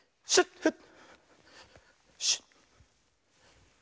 フッ！